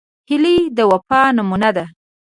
هیلۍ د وفا نمونه ده